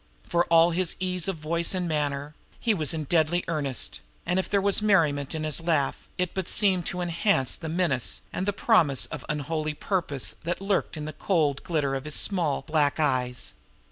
For all his ease of voice and manner, he was in deadly earnest; and if there was merriment in his laugh, it but seemed to enhance the menace and the promise of unholy purpose that lurked in the cold glitter of his small, black eyes.